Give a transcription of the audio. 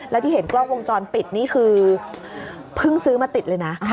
และที่เห็นกล้องวงจรปิดนี่คือเพิ่งซื้อมาติดเลยนะ